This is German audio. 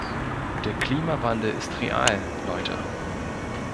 Der Klimawandel ist real, Leute.